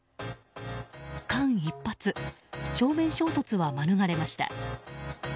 間一髪、正面衝突は免れました。